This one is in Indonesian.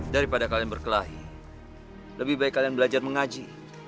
daripada kalian berkelahi lebih baik kalian belajar mengaji